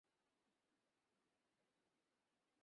আপনার জন্য করুণা হয়।